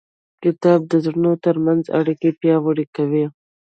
کتاب د زړونو ترمنځ اړیکې پیاوړې کوي.